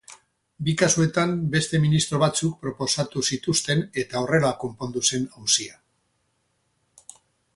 Bi kasuetan beste ministro batzuk proposatu zituzten eta horrela konpondu zen auzia.